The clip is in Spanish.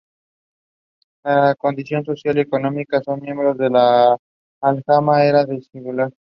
La condición social y económica de los miembros de la aljama era desigual.